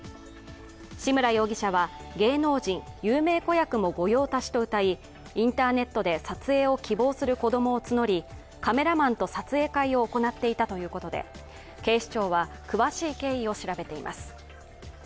志村容疑者は芸能人・有名子役も御用達とうたい、インターネットで撮影を希望する子供を募りカメラマンと撮影会を行っていたということで警視庁は詳しい経緯を調べています。